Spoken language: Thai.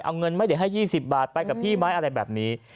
เอาเงินไม่ได้ให้๒๐บาทไปกับพี่ไม้อะไรแบบนี้